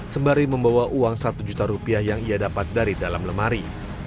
sembari membawa uang satu juta rupiah yang ia dapat dari dalam lemari